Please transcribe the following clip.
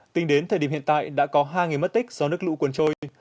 tính đến thời điểm hiện tại đã có hai người mất tích do nước lũ cuốn trôi